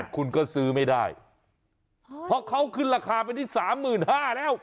คุณก็ซื้อไม่ได้เพราะเขาขึ้นราคาไปที่๓๕๐๐แล้ว